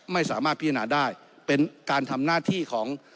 ไม่สามารถพิจารณาได้เป็นการทำหน้าที่ของ